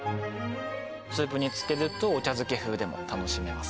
スープにつけるとお茶漬け風でも楽しめます